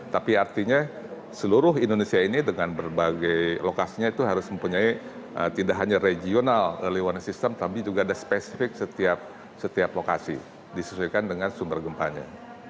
tapi artinya seluruh indonesia ini dengan berbagai lokasinya itu harus mempunyai tidak hanya regional early warning system tapi juga ada spesifik setiap lokasi disesuaikan dengan sumber gempanya